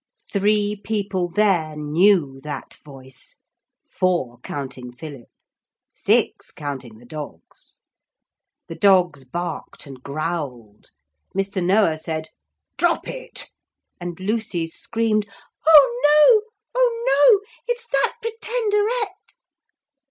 Three people there knew that voice, four counting Philip, six counting the dogs. The dogs barked and growled, Mr. Noah said 'Drop it;' and Lucy screamed, 'Oh no! oh no! it's that Pretenderette.'